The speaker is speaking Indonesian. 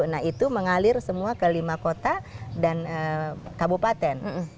nah itu mengalir semua ke lima kota dan kabupaten